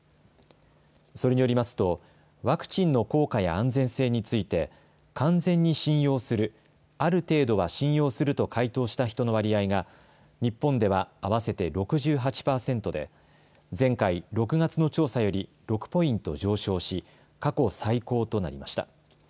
それによりますとワクチンの効果や安全性について完全に信用する、ある程度は信用すると回答した人の割合が日本では合わせて６８％で前回６月の調査より６ポイント上昇し過去最高となりました。